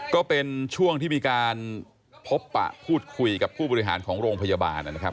ก็เป็นช่วงที่มีการพบปะพูดคุยกับผู้บริหารของโรงพยาบาลนะครับ